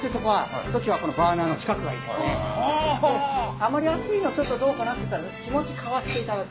あんまり熱いのはちょっとどうかなっていったら気持ちかわしていただく。